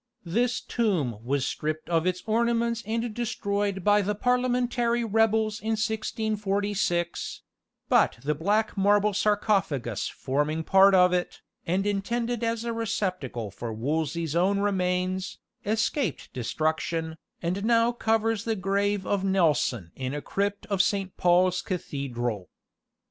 This tomb was stripped of its ornaments and destroyed by the Parliamentary rebels in 1646; but the black marble sarcophagus forming part of it, and intended as a receptacle for Wolsey's own remains, escaped destruction, and now covers the grave of Nelson in a crypt of Saint Paul's Cathedral.